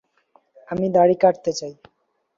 আমি দাড়ি কাটতে চাই।